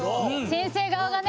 先生側がね。